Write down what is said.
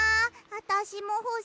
あたしもほしい